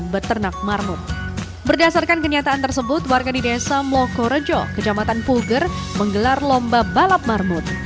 berdasarkan kenyataan tersebut warga di desa mloko rejo kejamatan puger menggelar lomba balap marmut